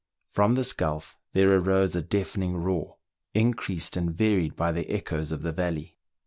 From this gulf there arose a deafening roar, increased and varied by the echoes of the valley.